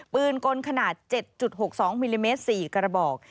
กลขนาด๗๖๒มิลลิเมตร๔กระบอก